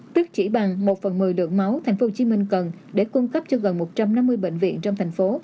tức chỉ bằng một phần một mươi lượng máu tp hcm cần để cung cấp cho gần một trăm năm mươi bệnh viện trong thành phố